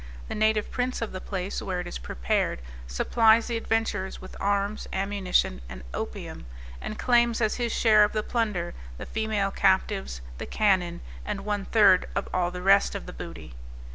The native prince of the place where it is prepared, supplies the adventurers with arms, ammunition and opium, and claims as his share of the plunder, the female captives, the cannon, and one third of all the rest of the booty.